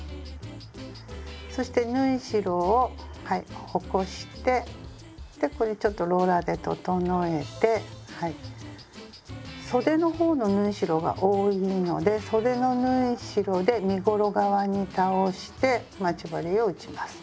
そして縫い代を起こしてでこれちょっとローラーで整えてそでの方の縫い代が多いのでそでの縫い代で身ごろ側に倒して待ち針を打ちます。